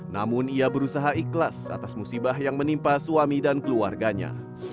namun ia berusaha ikhlas atas musibah yang menimpa suami dan keluarganya